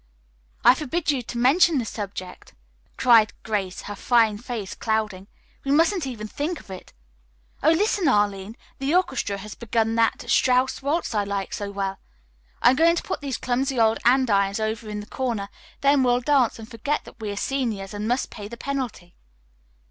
"I forbid you to mention the subject," cried Grace, her fine face clouding. "We mustn't even think of it. Oh, listen, Arline! The orchestra has begun that Strauss waltz I like so well. I'm going to put these clumsy old andirons over in the corner; then we'll dance and forget that we are seniors and must pay the penalty."